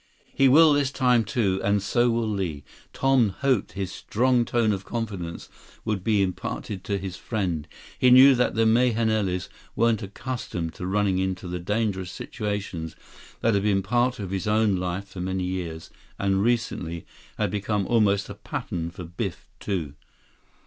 He will this time, too. And so will Li." Tom hoped his strong tone of confidence would be imparted to his friend. He knew that the Mahenilis weren't accustomed to running into the dangerous situations that had been a part of his own life for many years, and recently, had become almost a pattern for Biff, too.